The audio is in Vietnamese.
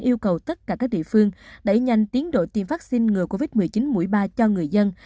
yêu cầu tất cả các địa phương đẩy nhanh tiến đội tiêm phát sinh ngừa covid một mươi chín mũi ba cho người dân